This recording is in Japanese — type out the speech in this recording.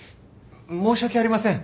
申し訳ありません。